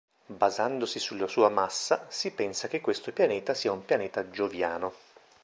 Basandosi sulla sua massa, si pensa che questo pianeta sia un pianeta gioviano.